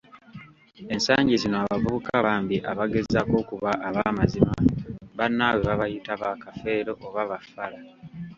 Ensangi zino abavubuka bambi abagezaako okuba abaamazima bannaabwe babayita ba, Kafeero oba ba, Fala.